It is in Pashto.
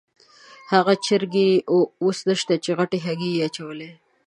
هغه چرګې اوس نشته چې غټې هګۍ یې اچولې.